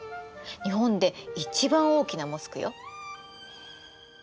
日本で一番大きなモスクよ。